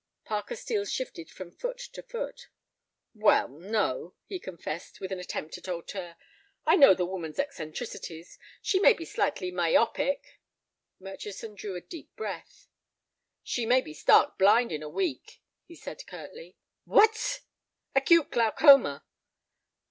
Parker Steel shifted from foot to foot. "Well, no," he confessed, with an attempt at hauteur, "I know the woman's eccentricities. She may be slightly myopic—" Murchison drew a deep breath. "She may be stark blind in a week," he said, curtly. "What!" "Acute glaucoma."